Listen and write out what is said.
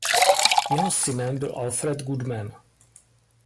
Jeho synem byl Alfred Goodman.